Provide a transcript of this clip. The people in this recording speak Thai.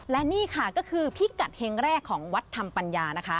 และนี่ค่ะก็คือพิกัดเฮงแรกของวัดธรรมปัญญานะคะ